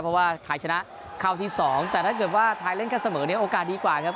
เพราะว่าไทยชนะเข้าที่๒แต่ถ้าเกิดว่าไทยเล่นกันเสมอเนี่ยโอกาสดีกว่าครับ